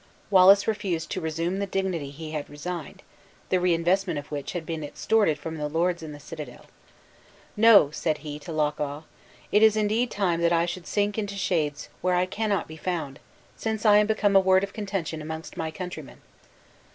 Wallace refused to resume the dignity he had resigned, the reinvestment of which had been extorted from the lords in the citadel. "No," said he to Loch awe; "it is indeed time that I should sink into shades where I cannot be found, since I am become a word of contention amongst my countrymen."